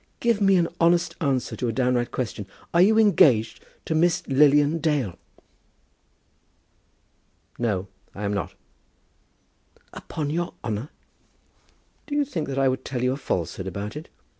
Give me an honest answer to a downright question. Are you engaged to Miss Lilian Dale?" "No; I am not." "Upon your honour?" "Do you think that I would tell you a falsehood about it?